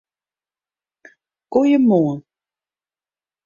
Goeiemoarn!